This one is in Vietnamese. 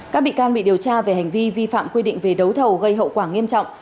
các bị can bị điều tra về hành vi vi phạm quy định về đấu thầu gây hậu quả nghiêm trọng